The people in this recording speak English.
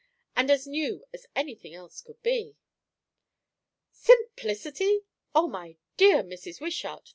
"And as new as anything else could be." "Simplicity! O, my dear Mrs. Wishart!